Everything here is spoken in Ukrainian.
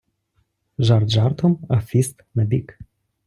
Жарт жартом, а фіст набік.